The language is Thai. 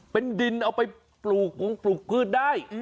เป็นดินเอาไปปลูกกลุ่มปลูกพืชได้